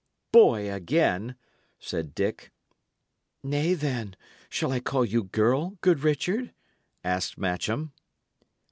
"Boy again!" said Dick. "Nay, then, shall I call you girl, good Richard?" asked Matcham.